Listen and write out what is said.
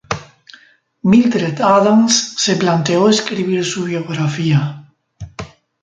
Mildred Adams se planteó escribir su biografía.